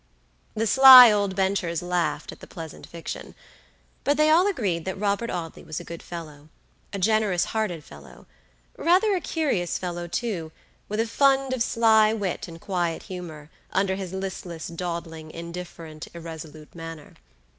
The sly old benchers laughed at the pleasant fiction; but they all agreed that Robert Audley was a good fellow; a generous hearted fellow; rather a curious fellow, too, with a fund of sly wit and quiet humor, under his listless, dawdling, indifferent, irresolute manner.